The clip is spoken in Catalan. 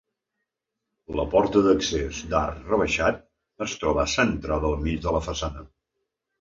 La porta d'accés d'arc rebaixat, es troba centrada al mig de la façana.